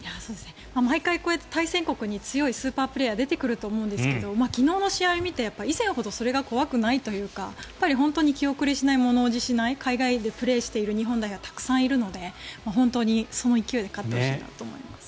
毎回こうやって対戦国に強いスーパープレーヤーが出てくると思うんですけど昨日の試合を見て以前ほどそれが怖くないというか気後れしない、物おじしない海外でプレーしている日本代表がたくさんいるので本当にその勢いで勝ってほしいと思います。